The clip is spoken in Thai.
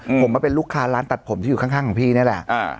ผมมาเป็นลูกค้าร้านตัดผมที่อยู่ข้างข้างของพี่นี่แหละอ่า